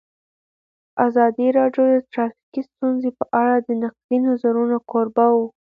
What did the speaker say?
ازادي راډیو د ټرافیکي ستونزې په اړه د نقدي نظرونو کوربه وه.